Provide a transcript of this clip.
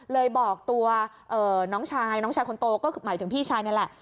เลยบอกตัวน้องชายน้องชายคนโตก็คือหมายถึงพี่ชายนี่แหละ